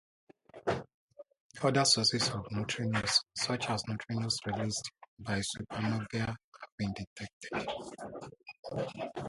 Other sources of neutrinos- such as neutrinos released by supernovae- have been detected.